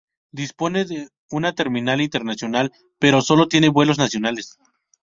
Dispone de una terminal internacional, pero solo tiene vuelos nacionales.